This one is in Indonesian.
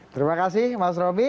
terima kasih mas robby